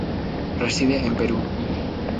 Reside en Perú.